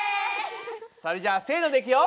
それじゃあせのでいくよ！